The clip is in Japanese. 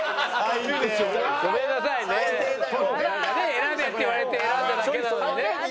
選べって言われて選んだだけなのにね。